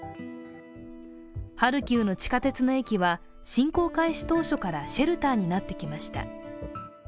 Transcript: ハルキウの地下鉄の駅は侵攻開始当初からシェルターになってきました。